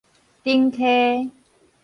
頂溪